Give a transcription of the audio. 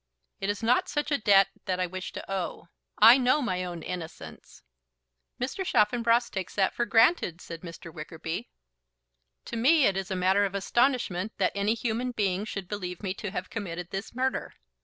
"It is not such a debt that I wish to owe. I know my own innocence." "Mr. Chaffanbrass takes that for granted," said Mr. Wickerby. "To me it is a matter of astonishment that any human being should believe me to have committed this murder.